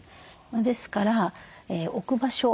ですから置く場所。